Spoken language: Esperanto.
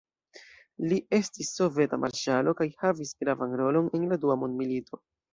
Li estis soveta marŝalo kaj havis gravan rolon en la dua mondmilito.